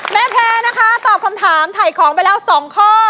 แพ้นะคะตอบคำถามถ่ายของไปแล้ว๒ข้อ